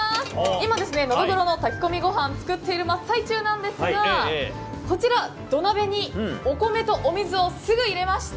今、ノドグロの炊き込みご飯作っている真っ最中なんですがこちら、土鍋に、お米とお水をすぐ入れまして。